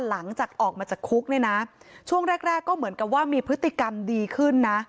หลังจากออกมาจากคุกเนี่ยนะช่วงแรกก็เหมือนกับว่ามีพฤติกรรมดีขึ้นนะ